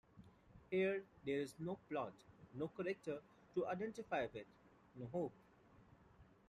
Here there is no plot, no characters to identify with, no hope.